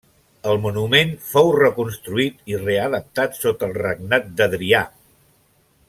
El monument fou reconstruït i readaptat sota el regnat d’Adrià.